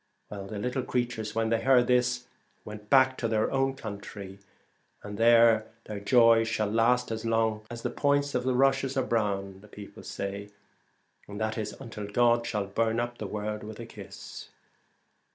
The little creatures when they heard this went back to their own country, and there their joy shall last as long as the points of the rushes are brown, the people say, and that is until God shall burn up the world with a kiss.